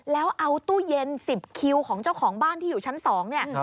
แล้วเอาตู้เย็น๑๐คิวของเจ้าของบ้านที่อยู่ชั้น๒เนี่ย